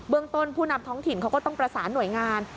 ต้นผู้นำท้องถิ่นเขาก็ต้องประสานหน่วยงาน